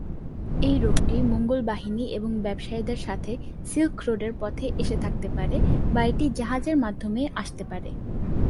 এই রোগটি মঙ্গোল বাহিনী এবং ব্যবসায়ীদের সাথে সিল্ক রোডের পথে এসে থাকতে পারে বা এটি জাহাজের মাধ্যমে আসতে পারে।